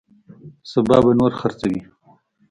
سبا به نور خرڅوي.